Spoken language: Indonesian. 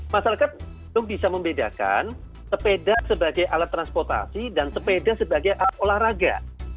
masalah kan untuk bisa membedakan sepeda sebagai alat transportasi dan sepeda sebagai alat olahraga